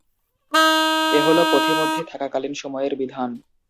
এ হলো পথিমধ্যে থাকাকালীন সময়ের বিধান।